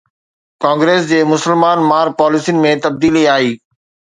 Congress جي مسلمان مار پاليسين ۾ تبديلي آئي